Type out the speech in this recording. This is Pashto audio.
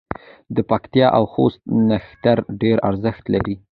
د پکتیا او خوست نښتر ډېر ارزښت لري.